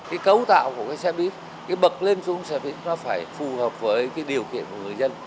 cái cấu tạo của cái xe buýt cái bậc lên xuống xe buýt nó phải phù hợp với cái điều kiện của người dân